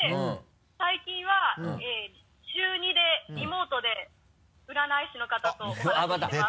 最近は週２でリモートで占い師の方とお話ししてます。